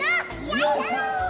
よいしょー！